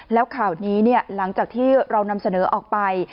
แล้วข่าวนี้หลังจากที่เรานำเสนอออกไป